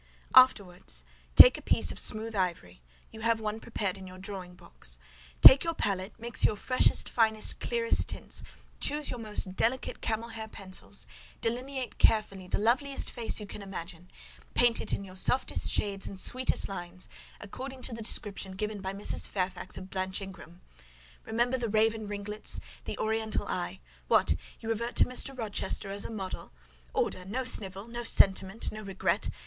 "Afterwards, take a piece of smooth ivory—you have one prepared in your drawing box: take your palette, mix your freshest, finest, clearest tints; choose your most delicate camel hair pencils; delineate carefully the loveliest face you can imagine; paint it in your softest shades and sweetest lines, according to the description given by Mrs. Fairfax of Blanche Ingram; remember the raven ringlets, the oriental eye;—What! you revert to Mr. Rochester as a model! Order! No snivel!—no sentiment!—no regret!